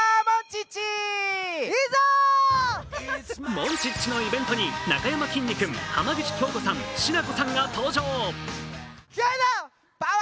モンチッチのイベントになかやまきんに君浜口京子さん、しなこさんが登場。